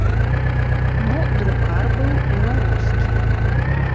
Ну, друкар быў беларускі.